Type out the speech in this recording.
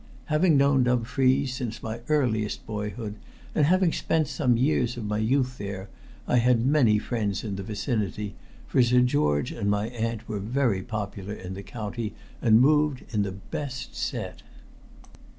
Having known Dumfries since my earliest boyhood, and having spent some years of my youth there, I had many friends in the vicinity, for Sir George and my aunt were very popular in the county and moved in the best set.